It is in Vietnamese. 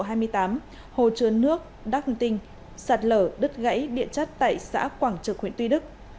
hồ trướn nước đắk ninh tinh sạt lở đất gãy điện chất tại xã quảng trực huyện tuy đức